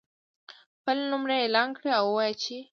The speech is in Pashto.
خپلې نمرې اعلان کړي او ووایي چې